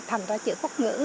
thành ra chữ quốc ngữ